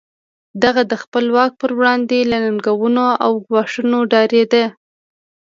هغه د خپل واک پر وړاندې له ننګونو او ګواښونو ډارېده.